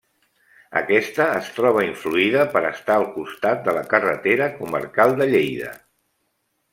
Aquesta es troba influïda per estar al costat de la carretera comarcal de Lleida.